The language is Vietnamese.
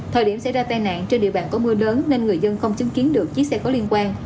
thời điểm xảy ra tai nạn trên địa bàn có mưa lớn nên người dân không chứng kiến được chiếc xe có liên quan